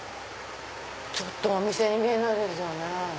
ちょっとお店に見えないですよね。